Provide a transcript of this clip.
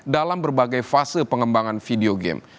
dalam berbagai fase pengembangan video game